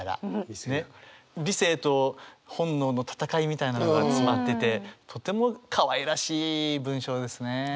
みたいなのが詰まっててとてもかわいらしい文章ですね。